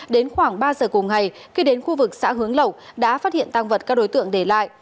đến khoảng ba giờ cùng ngày khi đến khu vực xã hướng lộng đã phát hiện tăng vật các đối tượng để lại